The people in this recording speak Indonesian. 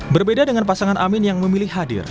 berbeda dengan pasangan amin yang memilih hadir